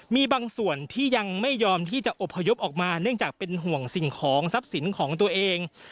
มีบางส่วนที่ยังไม่ยอมที่จะอบพยพออกมาเนื่องจากเป็นห่วงสิ่งของทรัพย์สินของตัวเอง